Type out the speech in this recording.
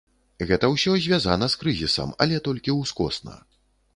Гэта ўсё звязана з крызісам, але толькі ўскосна.